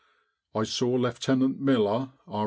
I saw Lieutenant Miller, R.